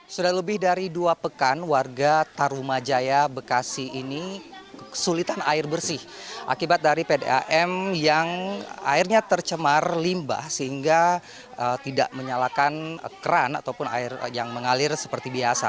sudah lebih dari dua pekan warga tarumajaya bekasi ini kesulitan air bersih akibat dari pdam yang airnya tercemar limbah sehingga tidak menyalakan keran ataupun air yang mengalir seperti biasa